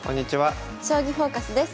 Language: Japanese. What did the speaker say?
「将棋フォーカス」です。